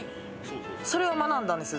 それは学んだんですよ